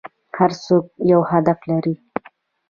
هر څوک یو هدف لري .